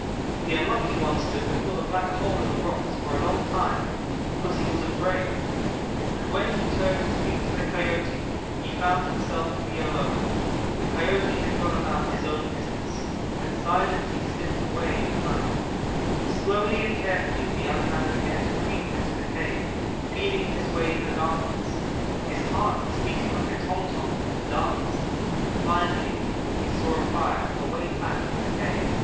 "The Unlucky one stood before the black hole in the rocks for a long time, because he was afraid; but when he turned to speak to the Coyote he found himself to be alone. The Coyote had gone about his own business had silently slipped away in the night. "Slowly and carefully the young man began to creep into the cave, feeling his way in the darkness. His heart was beating like a tom tom at a dance. Finally he saw a fire away back in the cave.